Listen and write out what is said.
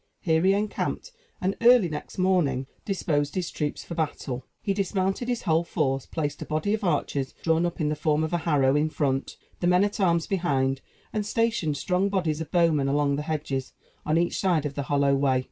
Here he encamped, and early next morning, disposed his troops for battle. He dismounted his whole force; placed a body of archers, drawn up in the form of a harrow, in front, the men at arms behind, and stationed strong bodies of bowmen along the hedges, on each side of the hollow way.